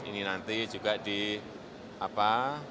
ini nanti juga di apa